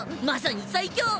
まさに最強！